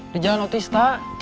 di jalan otak